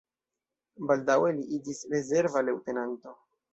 Baldaŭe li iĝis rezerva leŭtenanto.